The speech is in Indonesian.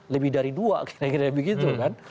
lebih dari dua kira kira begitu kan